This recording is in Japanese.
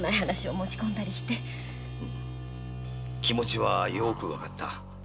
うん気持ちはよくわかった。